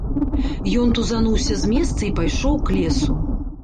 Ён тузануўся з месца і пайшоў к лесу.